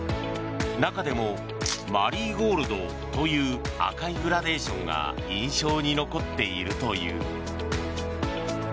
中でもマリーゴールドという赤いグラデーションが印象に残っているという。